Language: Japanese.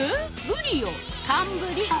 ブリよ寒ブリ。